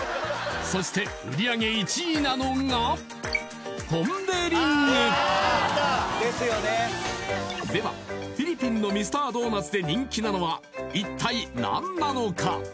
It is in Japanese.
そして売り上げ１位なのがああですよねではフィリピンのミスタードーナツで人気なのは一体何なのか？